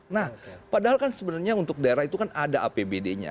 nah padahal kan sebenarnya untuk daerah itu kan ada apbd nya